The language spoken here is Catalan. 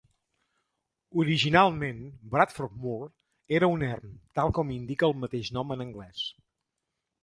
Originalment, Bradford Moor era un erm, tal com indica el mateix nom en anglès.